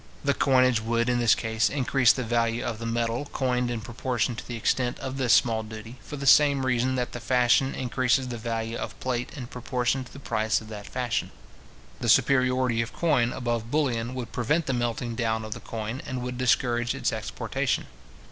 The coinage would, in this case, increase the value of the metal coined in proportion to the extent of this small duty, for the same reason that the fashion increases the value of plate in proportion to the price of that fashion. The superiority of coin above bullion would prevent the melting down of the coin, and would discourage its exportation.